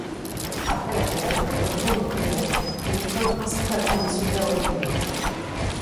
Après la guerre, il retourne au Piémont, où il peint principalement des sujets religieux.